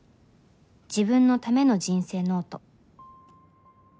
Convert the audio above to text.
自分のための人生ノート。